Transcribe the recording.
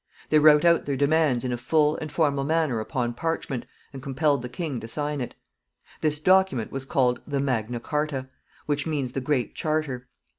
They wrote out their demands in a full and formal manner upon parchment, and compelled the king to sign it. This document was called the MAGNA CHARTA, which means the great charter.